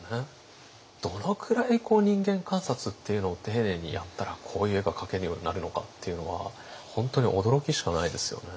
どのくらい人間観察っていうのを丁寧にやったらこういう絵が描けるようになるのかっていうのは本当に驚きしかないですよね。